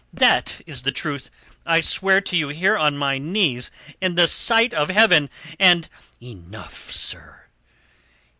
That is the truth. I swear to you here on my knees in the sight of Heaven! And...." "Enough, sir!